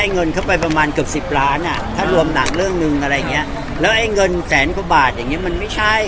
ลงแสนกว่าบาทแล้วเขามาบอกว่าพี่โกงเงินมันไม่ใช่